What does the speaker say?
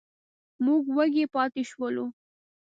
موږ وږي پاتې شولو.